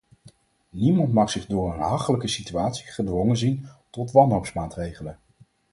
Niemand mag zich door een hachelijke situatie gedwongen zien tot wanhoopsmaatregelen.